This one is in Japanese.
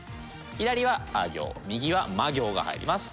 左はあ行右はま行が入ります。